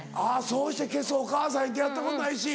そうして消すお母さんに出会ったことないし。